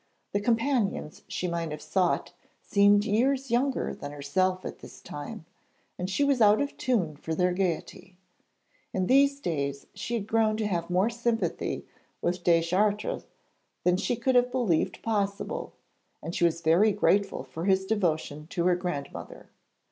The companions she might have sought seemed years younger than herself at this time, and she was out of tune for their gaiety. In these days she had grown to have more sympathy with Deschartres than she could have believed possible, and she was very grateful for his devotion to her grandmother.